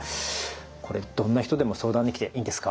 これどんな人でも相談に来ていいんですか？